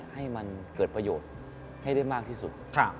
ให้มันเกิดประโยชน์ให้ได้มากที่สุด